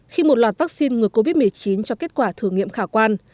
khi một loạt vaccine ngừa covid một mươi chín cho kết quả thử nghiệm khả quan